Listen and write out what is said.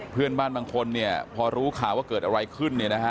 เพื่อนบ้านบางคนนี้พอรู้ข่าวว่าเกิดอะไรขึ้น